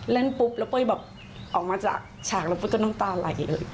เล่นปุ๊บแล้วเป้ยแบบออกมาจากฉากแล้วเป้ก็น้ำตาไหลเลย